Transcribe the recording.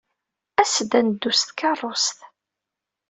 As-d ad neddu s tkeṛṛust.